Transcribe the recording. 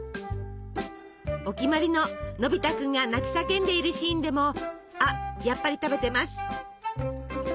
お決まりののび太君が泣き叫んでいるシーンでもあっやっぱり食べてます。